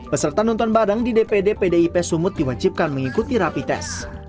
peserta nonton bareng di dpd pdip sumut diwajibkan mengikuti rapi tes